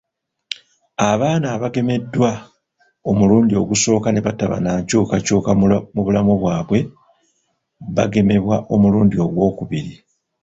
Abaana abagemeddwa omulundi ogusooka ne bataba na nkyukakyuka mu bulamu bwabwe bagemebwa omulundi ogwokubiri